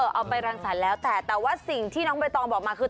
เอาไปรังสรรค์แล้วแต่แต่ว่าสิ่งที่น้องใบตองบอกมาคือ